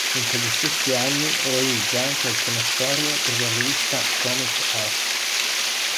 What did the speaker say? In quegli stessi anni realizza anche alcune storie per la rivista Comic Art.